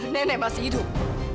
nenek masih hidup